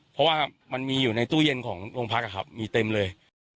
เพราะว่ามันมีอยู่ในตู้เย็นของโรงพักมีเต็มเลย